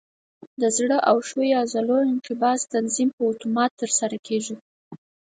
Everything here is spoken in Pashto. د زړه او ښویو عضلو انقباض تنظیم په اتومات ترسره کېږي.